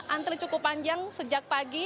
antri cukup panjang sejak pagi